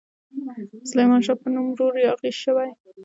سلیمان شاه په نوم ورور یاغي شوی.